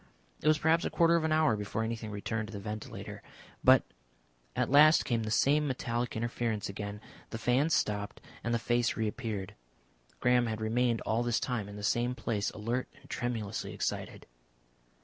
It was perhaps a quarter of an hour before anything returned to the ventilator. But at last came the same metallic interference again; the fans stopped and the face reappeared. Graham had remained all this time in the same place, alert and tremulously excited.